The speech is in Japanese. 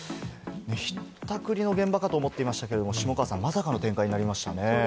ひったくりの現場かと思っていましたが下川さん、まさかの展開になりましたね。